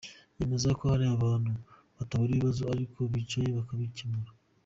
Yemeza ko ahari abantu hatabura ibibazo, ariko bicaye bakabicyemura.